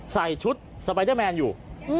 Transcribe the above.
ใส่ชุดสไปเดอร์แมนอยู่